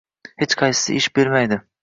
- Hech qaysisi ish bermaydi!